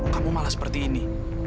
kamu malah seperti ini